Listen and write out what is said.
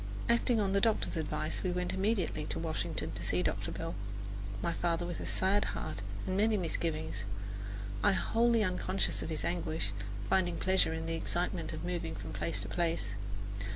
Acting on the doctor's advice, we went immediately to Washington to see Dr. Bell, my father with a sad heart and many misgivings, I wholly unconscious of his anguish, finding pleasure in the excitement of moving from place to place.